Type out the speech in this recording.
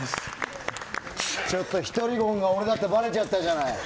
ちょっと、ヒトリゴンが俺だってばれちゃったじゃない。